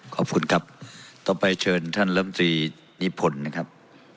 ขอบครับต่อไปเชิญท่านรัมทรีย์นิภลนะครับ